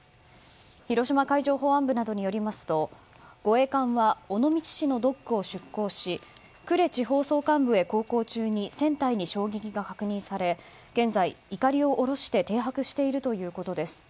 広島海上保安部などによりますと護衛艦は尾道市のドックを出航し、呉地方総監部に航港中に船体に衝撃が確認され現在、いかりを下ろして停泊しているということです。